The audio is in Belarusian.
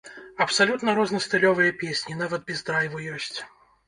Абсалютна рознастылёвыя песні, нават без драйву ёсць.